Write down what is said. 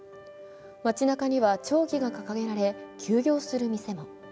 街中には弔旗が掲げられ、休業する店も。